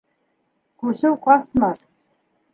Күсеү ҡасмаҫ.